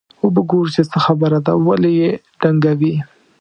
وبه ګورو چې څه خبره ده ولې یې ډنګوي.